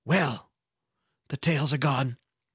Well! The tales are gone."